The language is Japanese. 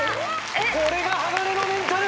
これが鋼のメンタル！